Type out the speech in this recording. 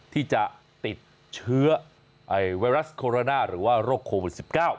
ที่จะติดเชื้อไวรัสโคโรนาหรือว่าโรคโควิด๑๙